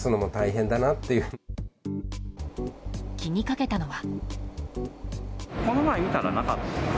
気にかけたのは。